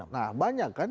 nah banyak kan